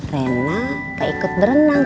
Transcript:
rena gak ikut berenang